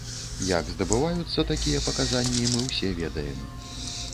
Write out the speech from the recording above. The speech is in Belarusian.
Як здабываюцца такія паказанні, мы ўсе ведаем.